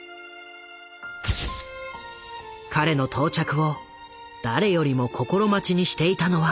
彼の到着を誰よりも心待ちにしていたのは